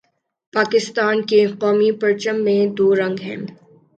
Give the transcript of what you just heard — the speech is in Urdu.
پاکستان کے قومی پرچم میں دو رنگ ہیں